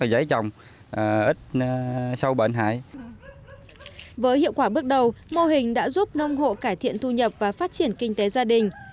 với hiệu quả bước đầu mô hình đã giúp nông hộ cải thiện thu nhập và phát triển kinh tế gia đình